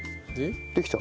できた。